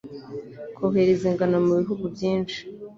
Kohereza ingano mu bihugu byinshi